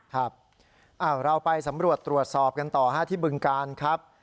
ครับเราไปสำรวจตรวจสอบกันต่อที่บึงการครับ